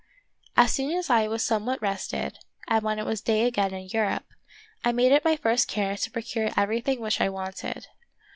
As soon as I was somewhat rested, and when it was day again in Europe, I made it my first care to procure everything which I wanted.